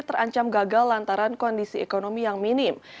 terancam gagal lantaran kondisi ekonomi yang minim